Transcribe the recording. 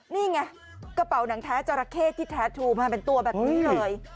นี่ไงกระเป๋าหนังแท้จราเข้ที่แท้ทูมาเป็นตัวแบบนี้เลย